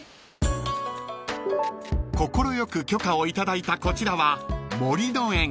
［快く許可を頂いたこちらは］